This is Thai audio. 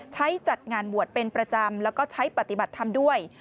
ใช้จัดงานหมวดเป็นประจำแล้วก็ใช้ปฏิบัติทำด้วย